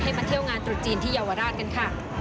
มาเที่ยวงานตรุษจีนที่เยาวราชกันค่ะ